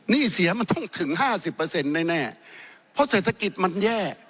นี่เสียมันต้องถึง๕๐แน่เพราะเศรษฐกิจมันแย่